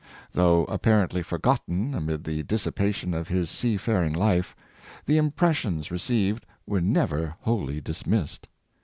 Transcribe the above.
Though apparently forgotten amid the dissipation of his sea faring life, the impres sions received were never wholly dismissed.